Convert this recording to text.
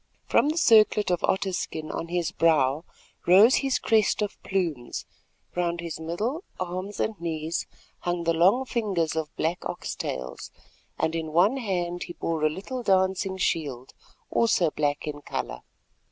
From the circlet of otter skin on his brow rose his crest of plumes, round his middle, arms and knees hung the long fringes of black oxtails, and in one hand he bore a little dancing shield, also black in colour.